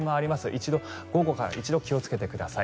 一度、午後から気をつけてください。